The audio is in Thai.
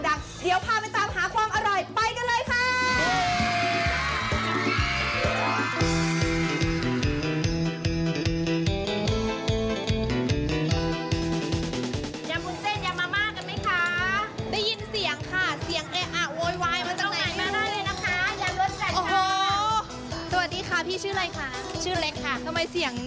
วันนี้เดี๋ยวขอสั่งยำหน่อยละกัน